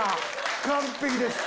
完璧です！